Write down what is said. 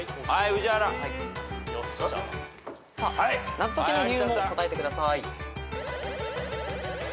謎解きの理由も答えてください。